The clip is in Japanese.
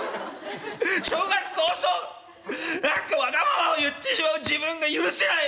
正月早々何かわがままを言ってしまう自分が許せないお父っつぁん。